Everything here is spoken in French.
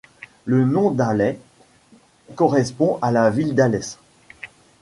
Le nom d'Alais correspond à la ville d'Alès.